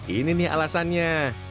ini nih alasannya